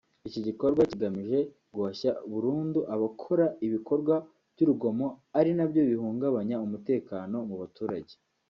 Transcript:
Iki gikorwa kigamije guhashya burundu abakora ibikorwa by’urugomo ari nabyo bihungabanya umutekano mu baturage